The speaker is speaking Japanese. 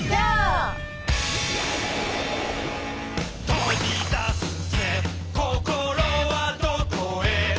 「飛び出すぜ心はどこへ」